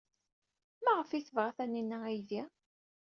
Maɣef ay tebɣa Taninna aydi?